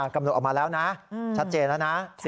กำหนดออกมาแล้วนะชัดเจนแล้วนะ